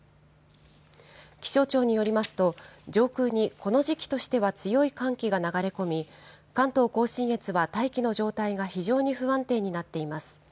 気象庁によりますと、上空にこの時期としては強い寒気が流れ込み、関東甲信越は大気の状態が非常に不安定になっています。